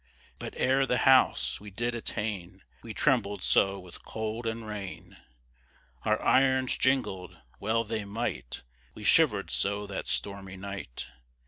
But ere the house we did attain, We trembled so with cold and rain, Our irons jingled well they might We shiver'd so that stormy night.